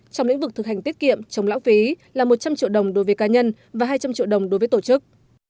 trong lĩnh vực thực hành tiết kiệm chống lão phí là một trăm linh triệu đồng đối với cá nhân và hai trăm linh triệu đồng đối với tổ chức